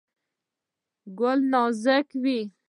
ګل نازک وي.